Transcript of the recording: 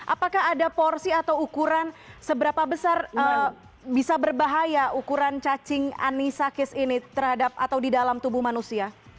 apakah ada porsi atau ukuran seberapa besar bisa berbahaya ukuran cacing anisakis ini terhadap atau di dalam tubuh manusia